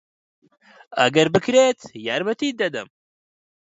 ئەگەر بکرێت یارمەتیت دەدەم.